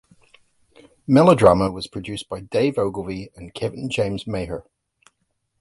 "Mellow Drama" was produced by Dave Ogilvie and Kevin James Maher.